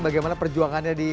bagaimana perjuangannya di